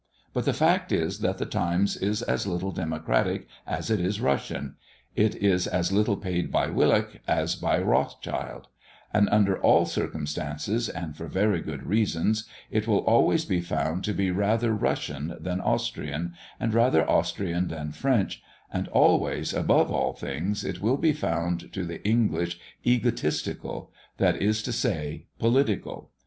But the fact is, that the Times is as little democratic as it is Russian; it is as little paid by Willich as by Rothschild; and, under all circumstances, and for very good reasons, it will always be found to be rather Russian than Austrian; and rather Austrian than French; and always, above all things, it will be found to the English, egotistical; that is to say, political.